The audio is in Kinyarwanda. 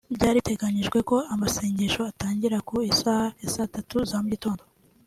Byari biteganyijwe ko amasengesho atangira ku isaha ya saa tatu za mu gitondo